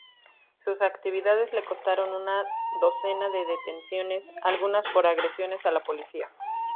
Sus actividades le costaron una docena de detenciones, algunas por agresiones a la policía.